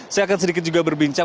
saya akan sedikit juga berbincang